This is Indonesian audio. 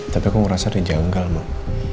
tapi aku ngerasa dia janggal mak